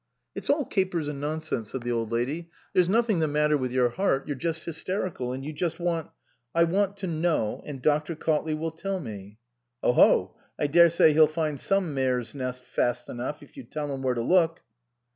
"It's all capers and nonsense," said the Old Lady, "there's nothing the matter with your heart. You're just hysterical, and you just want "" I want to knoiv, and Dr. Cautley will tell me." " Oh ho ! I daresay he'll find some mare's nest fast enough, if you tell him where to look."